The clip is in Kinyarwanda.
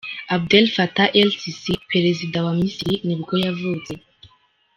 Abdel Fattah el-Sisi, perezida wa Misiri nibwo yavutse.